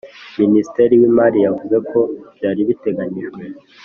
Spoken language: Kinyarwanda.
Minisitri w’imari yavuze ko byari biteganyijwe